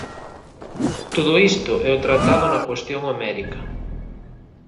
Todo isto é o tratado na cuestión homérica.